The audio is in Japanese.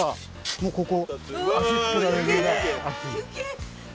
もうここ。